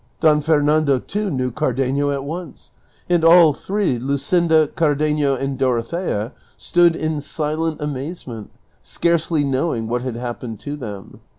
Don Fernando, too, knew Car denio at once ; and all three, Luscinda, ( ardenio, and Doro thea, ' stood in silent amazement scarcely knowing what had happened to them.